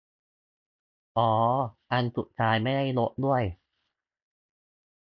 อ้อสุดท้ายไม่ได้ลดด้วย